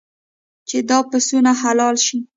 چې دا پسونه حلال شي.